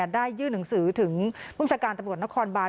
ได้ยื่นหนังสือถึงภูมิชาการตำรวจนครบาน